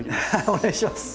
お願いします。